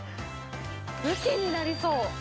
武器になりそう。